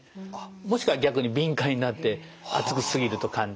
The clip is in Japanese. もしくは逆に敏感になって熱くし過ぎると感じたり